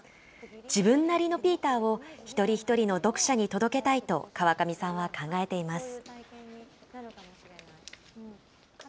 自分なりのピーターを一人一人の読者に届けたいと、川上さんは考えています。